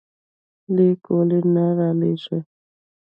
ليک ولې نه رالېږې؟